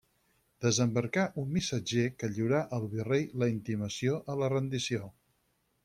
Desembarcà un missatger que lliurà al virrei la intimació a la rendició.